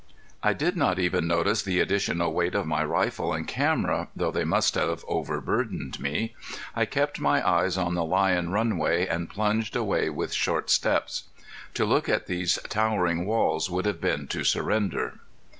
I did not even notice the additional weight of my rifle and camera though they must have overburdened me. I kept my eyes on the lion runway and plunged away with short steps. To look at these towering walls would have been to surrender.